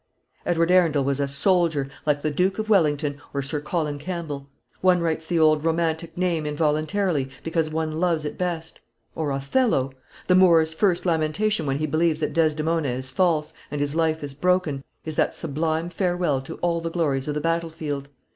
Edward Arundel was a soldier, like the Duke of Wellington or Sir Colin Campbell, one writes the old romantic name involuntarily, because one loves it best, or Othello. The Moor's first lamentation when he believes that Desdemona is false, and his life is broken, is that sublime farewell to all the glories of the battle field.